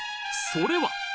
それは！